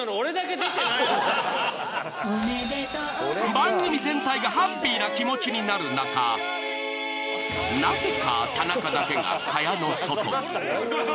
番組全体がハッピーな気持ちになるなかなぜか田中だけが蚊帳の外に。